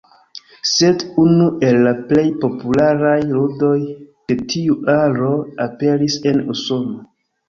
Sed unu el la plej popularaj ludoj de tiu aro aperis en Usono.